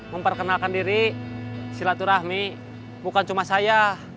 memperkenalkan diri silaturahmi bukan cuma saya